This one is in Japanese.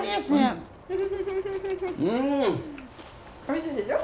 おいしいでしょ？